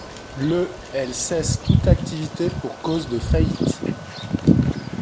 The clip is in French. Le elle cesse toute activité pour cause de faillite.